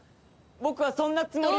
僕はそんなつもりは。